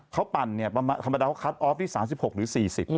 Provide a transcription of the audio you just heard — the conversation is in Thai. เขาปั่นธรรมดาคลัตต์ออฟที่๓๖หรือ๔๐